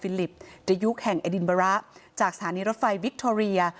ลิปในยุคแห่งอดินบระจากสถานีรถไฟวิคทอเรีย